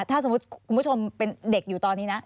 ถ้าสมมุติคุณผู้ชมเป็นเด็กอยู่ตอนนี้นะ